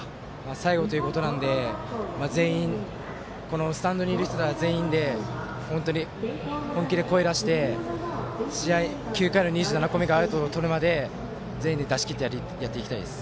最後ということなので全員このスタンドにいる人ら全員で本当に本気で声出して試合９回の２７個目のアウトをとるまで全員で出しきってやりきりたいです。